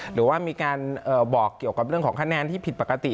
หรือว่ามีการบอกเกี่ยวกับเรื่องของคะแนนที่ผิดปกติ